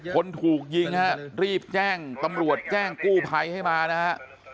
คนถูกยิงฮะรีบแจ้งตำรวจแจ้งกู้ภัยให้มานะฮะ